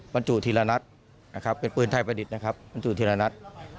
บรรจุทีละนัดนะครับเป็นปืนไทยประดิษฐ์นะครับบรรจุทีละนัด